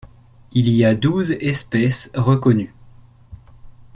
Il y a douze espèces reconnues.